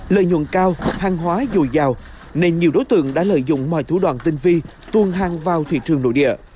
lợi nhuận cao hàng hóa dù giàu nên nhiều đối tượng đã lợi dụng mọi thủ đoàn tinh vi tuôn hàng vào thị trường nội địa